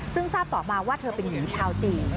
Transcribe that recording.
ซึ่งทราบต่อมาว่าเธอเป็นหญิงชาวจีน